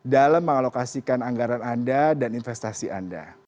dalam mengalokasikan anggaran anda dan investasi anda